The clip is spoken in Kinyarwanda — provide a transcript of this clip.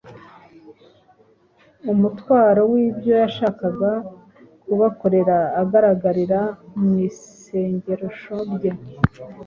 Umutwaro w’ibyo yashakaga kubakorera ugaragarira mu isengesho rye